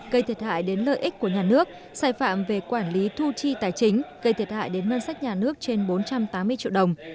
gây thiệt hại đến lợi ích của nhà nước sai phạm về quản lý thu chi tài chính gây thiệt hại đến ngân sách nhà nước trên bốn trăm tám mươi triệu đồng